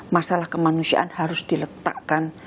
masalah kemanusiaan harus diletakkan